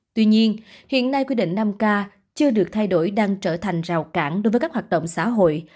tuy nhiên hiện nay quy định năm k chưa được thay đổi đang trở thành rào cản đối với các hoạt động xã hội